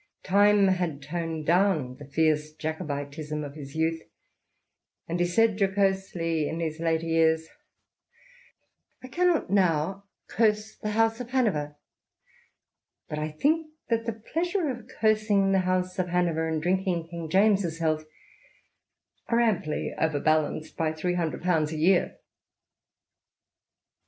Time had toned down the fierce Jacobitism of his youth, and he said jocosely in his later years, "I cannot now curse the House of Hanover, but I think that the pleasure of cursing the House of Hanover, and drinking King James's health, are amply over balanced by three hundred pounds a year."